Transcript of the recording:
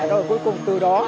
rồi cuối cùng từ đó